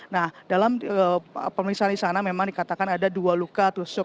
nah dalam pemeriksaan di sana memang dikatakan ada dua luka tusuk